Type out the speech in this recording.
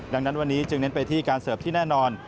ดังนั้นวันนี้จึงเน้นไปที่การเสิร์ฟที่แน่นอน